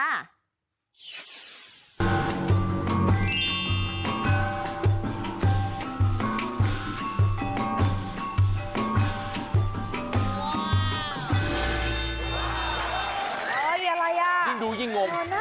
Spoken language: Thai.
แยรี่อะไรยิ่งนู้ยยิ่งงมโอ้เปล่าใช่นะ